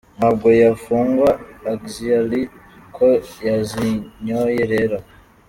Ntabwo yafungwa axially ko yazinyoye rero.